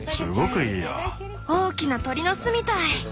大きな鳥の巣みたい。